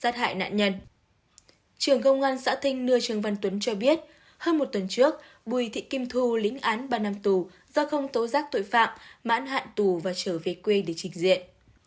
trường văn tuấn cho biết hơn một tuần trước bùi thị kim thu lính án ba năm tù do không tấu giác tội phạm mãn hạn tù và trở về quê để trình diện